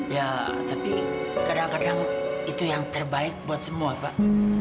ya tapi kadang kadang itu yang terbaik buat semua pak